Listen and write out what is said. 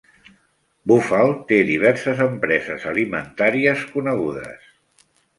Buffalo té diverses empreses alimentàries conegudes.